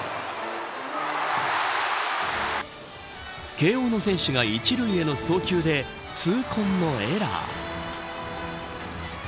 慶応の選手が一塁への送球で痛恨のエラー。